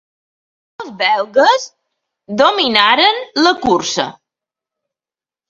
Els belgues dominaren la cursa.